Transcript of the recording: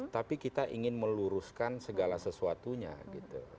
tapi kita ingin meluruskan segala sesuatunya gitu